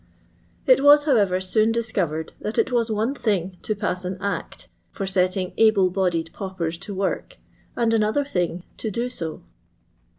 It was, however, soon discovered that it was one thing to pass an act for setting able bodied paupers to work, and another thing to do so.